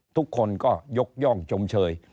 ทุกคนก็ยกย่องชมเชย